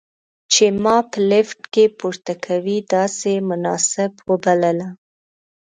چې ما به په لفټ کې پورته کوي، داسې یې مناسب وبلله.